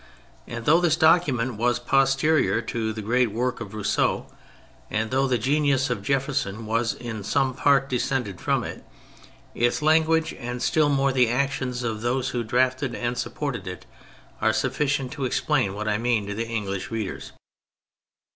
And though this document was posterior to the great work of Rousseau and (through the genius of Jefferson) was in some part descended from it, its lan guage, and still more the actions of those who drafted and supported it, are sufficient to explain what I mean to English readers.